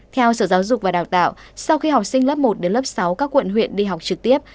theo sở giáo dục và đào tạo sau khi học sinh lớp một đến lớp sáu các quận huyện đi học trực tiếp